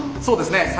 そうですね